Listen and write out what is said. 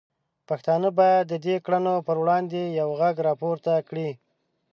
پښتانه باید د دې کړنو پر وړاندې یو غږ راپورته کړي.